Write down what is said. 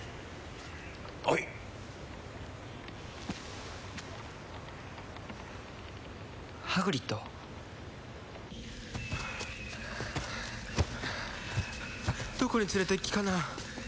おいハグリッドどこに連れてく気かな？